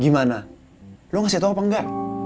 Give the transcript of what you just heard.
gimana lo ngasih tau apa engga